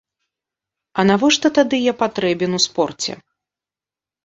А навошта тады я патрэбен у спорце?